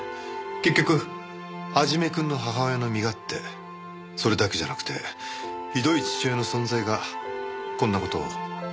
結局創くんの母親の身勝手それだけじゃなくてひどい父親の存在がこんな事を引き起こしたんですよね。